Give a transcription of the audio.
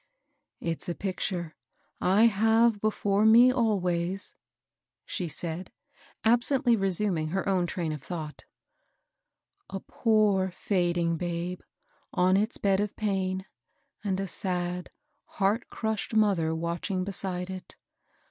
" It's a picture 1 have before me always," she said, absently resuming her own train of thought, — "a poor fading babe on its bed of pain, and a sad, heart crushed mother watching beside it.